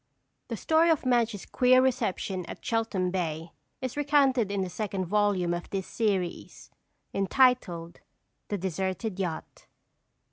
The story of Madge's queer reception at Cheltham Bay is recounted in the second volume of this series, entitled: "The Deserted Yacht."